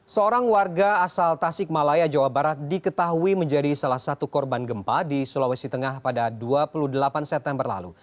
seorang warga asal tasik malaya jawa barat diketahui menjadi salah satu korban gempa di sulawesi tengah pada dua puluh delapan september lalu